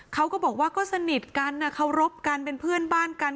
เขาก็บอกว่าก็สนิทกันเคารพกันเป็นเพื่อนบ้านกัน